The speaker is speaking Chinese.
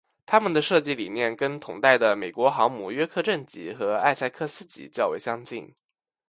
它们的设计理念跟同代的美国航母约克镇级和艾塞克斯级较为相近。